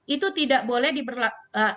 itu tidak boleh diberlakukan